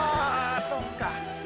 そっか。